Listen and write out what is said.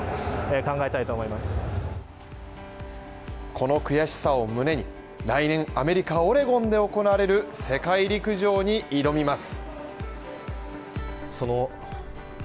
この悔しさを胸に、来年アメリカオレゴンで行われる世界陸上に挑みます。